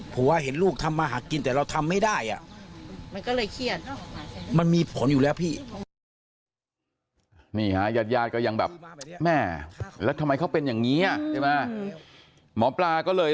ผมไม่เจอตรงนี้ไงแต่ตอนนี้เจอไข้มากเลย